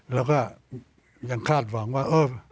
แล้วก็ยังคาดหวังว่า